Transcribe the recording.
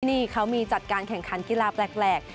นี่เขามีจัดการแข่งขันกีฬาแปลก